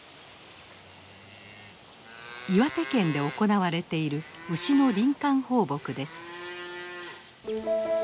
岩手県で行われている牛の林間放牧です。